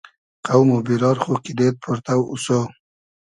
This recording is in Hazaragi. قۆم و بیرار خو کیدېد پۉرتۆ اوسۉ